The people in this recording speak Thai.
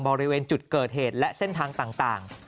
บริเวณจุดเกิดเหตุและเส้นทางต่าง